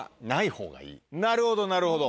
なるほどなるほど。